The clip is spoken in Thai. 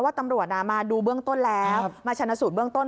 ตำรวจมาดูเบื้องต้นแล้วมาชนะสูตรเบื้องต้น